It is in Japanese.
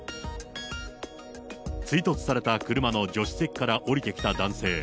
追突された車の助手席から降りてきた男性。